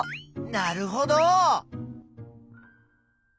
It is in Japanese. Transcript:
なるほど。